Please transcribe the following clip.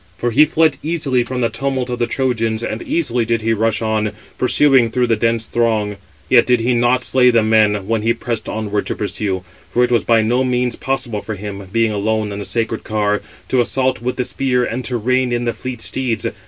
For he fled easily from the tumult of the Trojans, and easily did he rush on, pursuing through the dense throng. Yet did he not slay the men when he pressed onward to pursue; for it was by no means possible for him, being alone in the sacred 562 car, to assault with the spear and to rein in the fleet steeds.